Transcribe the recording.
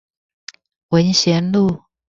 文賢路